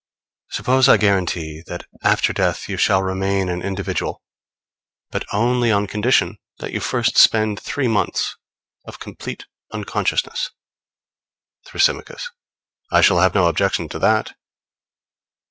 Suppose I guarantee that after death you shall remain an individual, but only on condition that you first spend three months of complete unconsciousness. Thrasymachos. I shall have no objection to that.